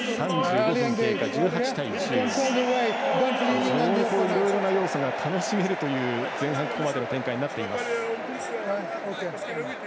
非常にいろいろな要素が楽しめるという前半、ここまでの展開になっています。